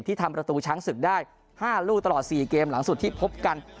ทำประตูช้างศึกได้๕ลูกตลอด๔เกมหลังสุดที่พบกัน